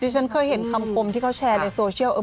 ฉันเคยเห็นคำคมที่เขาแชร์ในโซเชียล